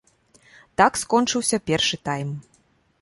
Так скончыўся першы тайм.